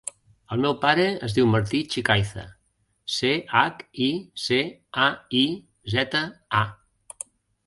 El meu pare es diu Martí Chicaiza: ce, hac, i, ce, a, i, zeta, a.